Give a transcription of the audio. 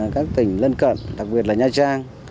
các tỉnh lân cận đặc biệt là nha trang